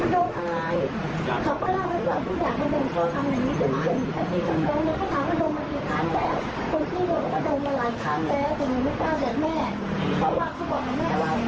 เดี๋ยวน้องถอดเสื้อผ้าหลายครั้งไปก็เลยถามว่าเอาอะไร